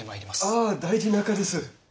ああ大事なかです。